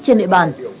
trên địa bàn